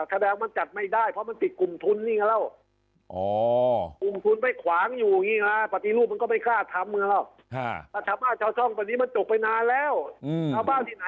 ตรวจขิงสุด